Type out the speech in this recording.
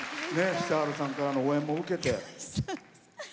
久春さんからの応援も受けて。